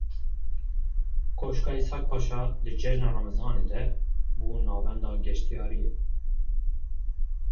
Koşka Ishak Paşa di Cejna Remezanê de bû navenda geştyariyê.